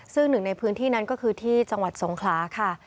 ซึ่งหนึ่งในพื้นที่นั้นก็คือที่จังหวัดสงขลาค่ะ